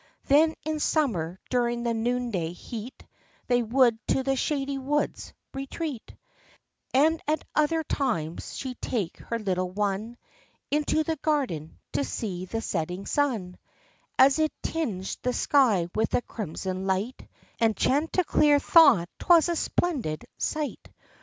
Then in summer, during the noonday heat, They would to the shady woods retreat; And at other times, she'd take her little one Into the garden, to see the setting sun, As it tinged the sky with a crimson light; And Chanticleer thought 'twas a splendid sight.